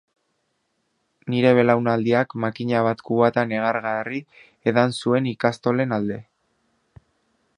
Nire belaunaldiak makina bat kubata negargarri edan zuen ikastolen alde.